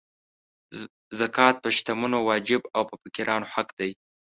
زکات په شتمنو واجب او په فقیرانو حق دی.